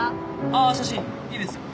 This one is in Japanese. あぁ写真いいですよ。